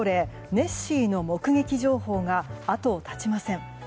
ネッシーの目撃情報が後を絶ちません。